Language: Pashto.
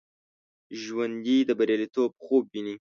ژوندي د بریالیتوب خوب ویني